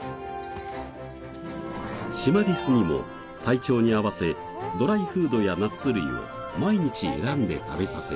シマリスにも体調に合わせドライフードやナッツ類を毎日選んで食べさせる。